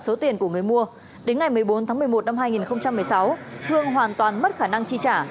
số tiền của người mua đến ngày một mươi bốn tháng một mươi một năm hai nghìn một mươi sáu hương hoàn toàn mất khả năng chi trả